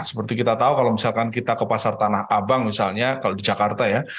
seperti kita tahu kalau misalkan kita ke pasar tanah abang misalnya kalau di jakarta ya